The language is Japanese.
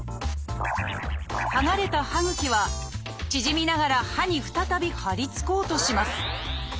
剥がれた歯ぐきは縮みながら歯に再びはりつこうとします。